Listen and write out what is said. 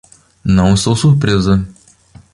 Não estou surpresa.